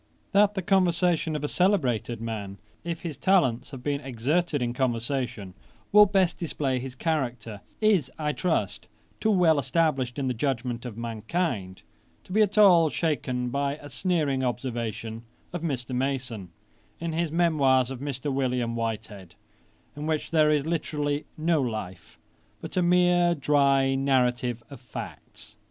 That the conversation of a celebrated man, if his talents have been exerted in conversation, will best display his character, is, I trust, too well established in the judgment of mankind, to be at all shaken by a sneering observation of Mr. Mason, in his Memoirs of Mr. William Whitehead, in which there is literally no Life, but a mere dry narrative of facts.